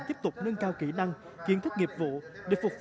tiếp tục nâng cao kỹ năng kiến thức nghiệp vụ